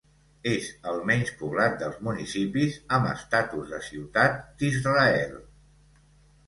És el menys poblat dels municipis amb estatus de ciutat d'Israel.